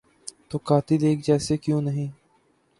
تو قاتل ایک جیسے کیوں نہیں؟